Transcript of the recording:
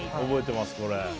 覚えてます、これ。